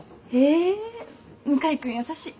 え向井君優しい！